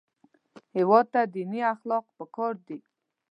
هېواد ته دیني اخلاق پکار دي